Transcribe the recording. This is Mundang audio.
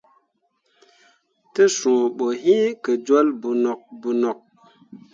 Te suu ɓo yi ke jol bonok bonok.